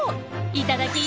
いただき！